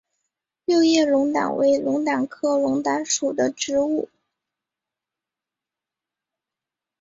六叶龙胆为龙胆科龙胆属的植物。